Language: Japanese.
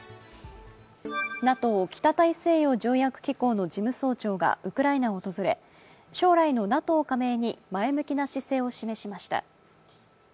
ＮＡＴＯ＝北大西洋条約機構の事務総長がウクライナを訪れ将来のＮＡＴＯ加盟に前向きな姿勢を示しました。